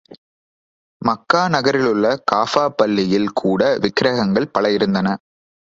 மக்கா நகரிலுள்ள கஃபா பள்ளியில் கூட விக்கிரங்கள் பல இருந்தன.